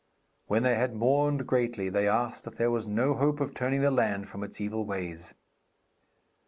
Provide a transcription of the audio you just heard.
When they had mourned greatly, they asked if there was no hope of turning the land from its evil ways.